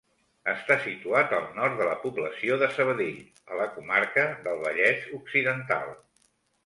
Està situat al nord de la població de Sabadell, a la comarca del Vallès Occidental.